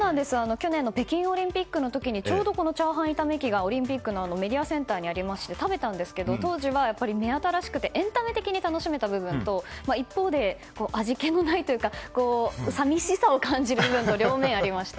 去年の北京オリンピックの時にちょうどチャーハン炒め機とオリンピックのメディアセンターにありまして食べたんですが当時は目新しくてエンタメ的に楽しめた部分と一方で味気のないというか寂しさを感じる部分の両面がありました。